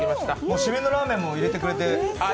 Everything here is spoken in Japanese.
締めのラーメンも入れてくれて。